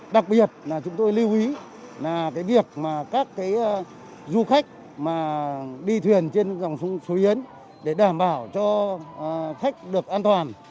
đặc biệt chúng tôi lưu ý việc các du khách đi thuyền trên dòng suối yến để đảm bảo cho khách được an toàn